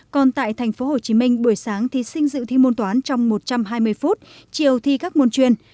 còn tại tp hcm buổi sáng thí sinh dự thi môn toán trong một trăm hai mươi phút chiều thi các môn chuyên